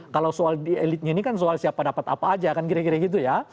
kalau soal elitnya ini kan soal siapa dapat apa aja kan kira kira gitu ya